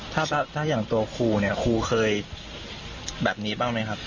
ถ้าอย่างตัวครูเนี่ยครูเคยแบบนี้บ้างไหมครับ